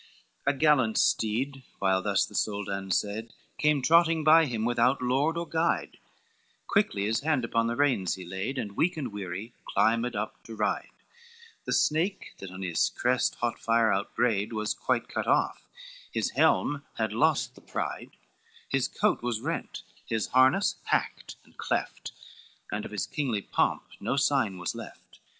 I A gallant steed, while thus the Soldan said, Came trotting by him, without lord or guide, Quickly his hand upon the reins he laid, And weak and weary climbed up to ride; The snake that on his crest hot fire out braid Was quite cut off, his helm had lost the pride, His coat was rent, his harness hacked and cleft, And of his kingly pomp no sign was left.